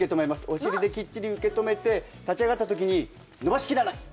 お尻できっちり受け止めて立ち上がったときに伸ばしきらない！